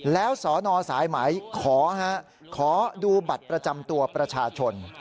แล้วสนสายไหมขอดูบัตรประจำตัวประชาชน